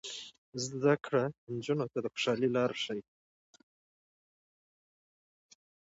زده کړه نجونو ته د خوشحالۍ لارې ښيي.